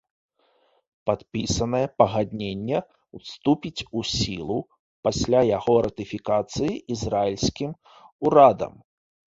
Падпісанае пагадненне ўступіць у сілу пасля яго ратыфікацыі ізраільскім урадам.